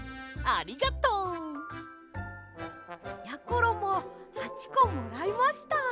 ころも８こもらいました。